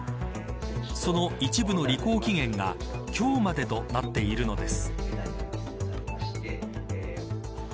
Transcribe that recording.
その一部の履行期限が今日までとなっているのです。